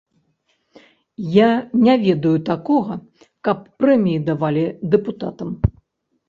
Я не ведаю такога, каб прэміі давалі дэпутатам.